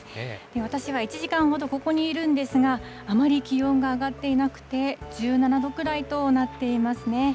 私は１時間ほどここにいるんですが、あまり気温が上がっていなくて、１７度くらいとなっていますね。